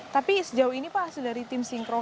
tapi sejauh ini pak hasil dari tim sinkron